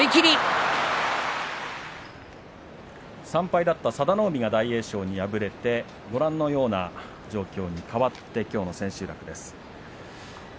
３敗だった佐田の海が大栄翔に敗れてご覧のような状況に変わってきょうの千秋楽です。